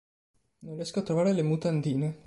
Non riesco a trovare le mutandine.